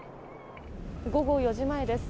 午後４時前です。